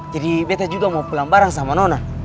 jadi beta juga mau pulang bareng sama nona